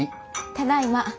ただいま。